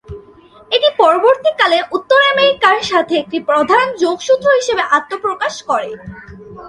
এটি পরবর্তীকালে উত্তর আমেরিকার সাথে একটি প্রধান যোগসূত্র হিসেবে আত্মপ্রকাশ করে।